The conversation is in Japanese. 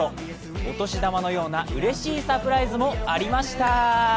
お年玉のようなうれしいサプライズもありました。